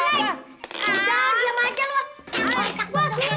waktu sampe segini gak bisa bos